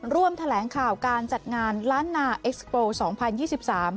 ร่วมแถลงข่าวการจัดงานล้านนาเอ็กซ์โปรสองพันยี่สิบสาม